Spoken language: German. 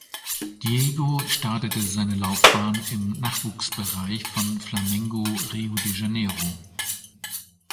Diego startete seine Laufbahn im Nachwuchsbereich von Flamengo Rio de Janeiro.